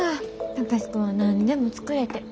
貴司君は何でも作れて。